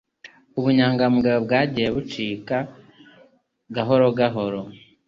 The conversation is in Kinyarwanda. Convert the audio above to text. ubunyangamugayo bwagiye bucika gahoro gahoro